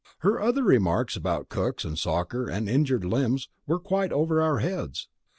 Her other remarks, about cooks and soccer and injured limbs, were quite over our heads."